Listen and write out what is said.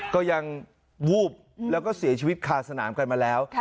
ก็ยังวูบแล้วก็เสียชีวิตคาสนามกันมาแล้ว